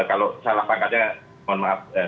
kalau salah pangkatnya mohon maaf